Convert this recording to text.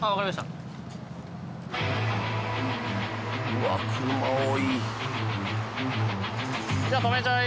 うわっ車多い。